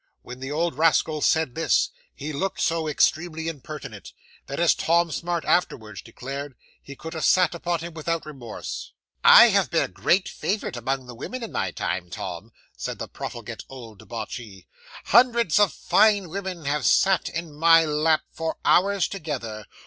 When the old rascal said this, he looked so extremely impertinent, that, as Tom Smart afterwards declared, he could have sat upon him without remorse. '"I have been a great favourite among the women in my time, Tom," said the profligate old debauchee; "hundreds of fine women have sat in my lap for hours together.